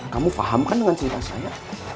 kamu paham kan dengan cerita saya